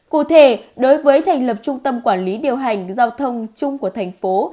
cụ thể đối với thành lập trung tâm quản lý điều hành giao thông chung của thành phố